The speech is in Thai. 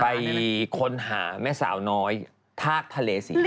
ไปค้นหาแม่สาวน้อยทากทะเลศรี